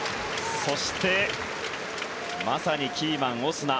そしてまさにキーマンオスナ。